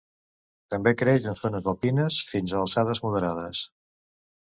També creix en zones alpines, fins a alçades moderades.